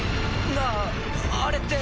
なああれって。